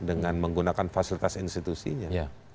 dengan menggunakan fasilitas institusinya